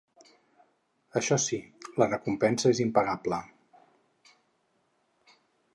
Això sí, la recompensa és impagable.